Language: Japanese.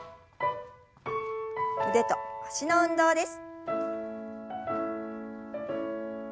腕と脚の運動です。